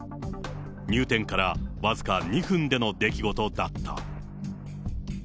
入店から僅か２分での出来事だった。